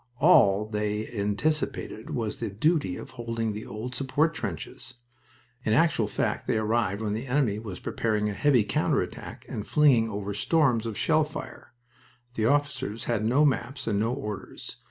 All they anticipated was the duty of holding the old support trenches. In actual fact they arrived when the enemy was preparing a heavy counter attack and flinging over storms of shell fire. The officers had no maps and no orders.